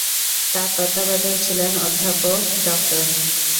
তার তত্ত্বাবধায়ক ছিলেন অধ্যাপক ড।